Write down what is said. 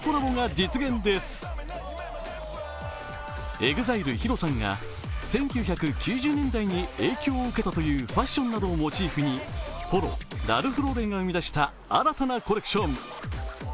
ＥＸＩＬＥＨＩＲＯさんが１９９０年代の影響を受けたというファッションなどをモチーフにポロラルフローレンが生み出した新たなコレクション。